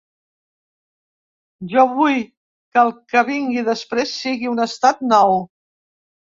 Jo vull que el que vingui després sigui un estat nou.